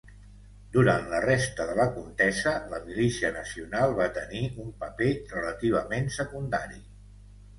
Durant la resta de la contesa la Milícia Nacional va tenir un paper relativament secundari.